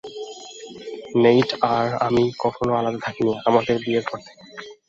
Neat আর আমি কখনো আলাদা থাকিনি, আমাদের বিয়ের পর থেকে।